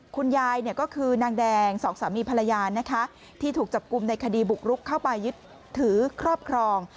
คุณยายก็คือนางแดงสองสามีภรรยานะคะที่ถูกจับกลุ่มในคดีบุกรุกเข้าไปยึดถือครอบครอง